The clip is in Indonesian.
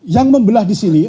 yang membelah disini